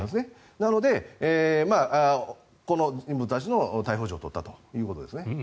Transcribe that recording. なので、この人物たちの逮捕状を取ったということですね。